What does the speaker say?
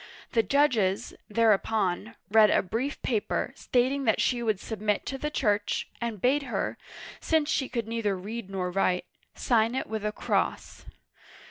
The judges, tTiereupon, read a brief paper, stating that she would submit to the Church, and bade her — since she could neither read nor write — sign it with a cross.